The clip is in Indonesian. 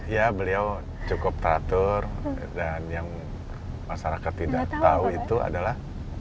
ya beliau cukup teratur dan yang masyarakat tidak tahu itu adalah